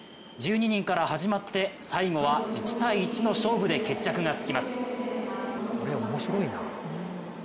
１２人から始まって最後は１対１の勝負で決着がつきます。